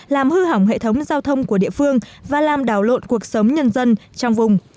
làm hư hỏng hệ thống giao thông của địa phương và làm đảo lộn cuộc sống nhân dân trong vùng